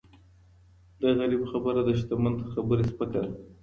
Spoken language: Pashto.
د غریب خبره د شتمن تر خبري سپکه ده.